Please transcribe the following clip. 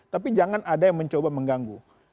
tapi jangan ada yang mencoba mengganggu